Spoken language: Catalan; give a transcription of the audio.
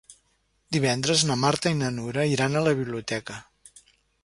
Divendres na Marta i na Nura iran a la biblioteca.